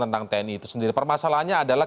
tentang tni itu sendiri permasalahannya adalah